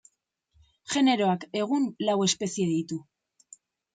Generoak, egun, lau espezie ditu.